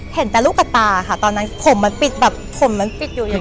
เห็นแต่ลูกกับตาค่ะตอนนั้นผมมันปิดแบบผมมันปิดอยู่อย่างเงี้